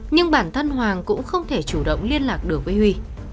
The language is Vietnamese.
nhưng bản thân hoàng cũng không thể chủ động liên lạc được với huy